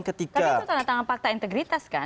tapi itu tanda tangan fakta integritas kan